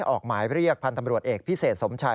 ออกหมายเรียกพันธบริวดเอกพิเศษสมชาย